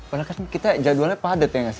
padahal kan kita jadwalnya padet ya ga sih